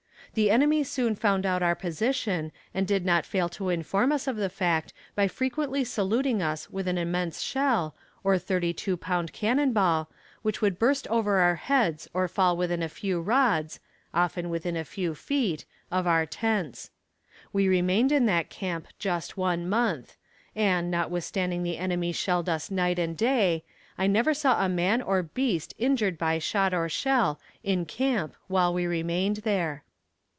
The enemy soon found out our position, and did not fail to inform us of the fact by frequently saluting us with an immense shell, or thirty two pound cannon ball, which would burst over our heads or fall within a few rods often within a few feet of our tents. We remained in that camp just one month, and, notwithstanding the enemy shelled us night and day, I never saw a man or beast injured by shot or shell in camp while we remained there.